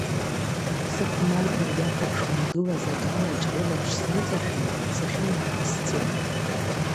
Сыхәмарра иахәаԥшуа игылаз аганаҿ рылаԥш сныҵашәан, сахьымаара сцеит.